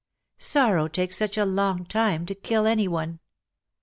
Sorrow takes such a long time to kill any one.